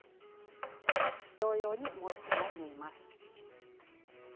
同様にもう１枚縫います。